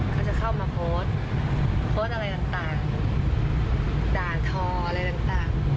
ก็จะเข้ามาโพสโพสอะไรต่างต่างด่าท้ออะไรต่างต่าง